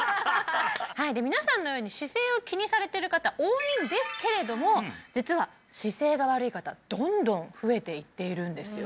はい皆さんのように姿勢を気にされてる方多いんですけれども実は姿勢が悪い方どんどん増えていっているんですよ